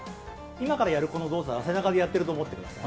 今からやるこの動作は背中でやってると思ってください。